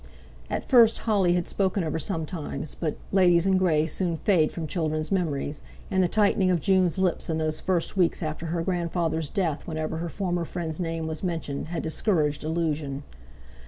At first Holly had spoken of her sometimes, but "ladies in grey" soon fade from children's memories; and the tightening of June's lips in those first weeks after her grandfather's death whenever her former friend's name was mentioned, had discouraged allusion.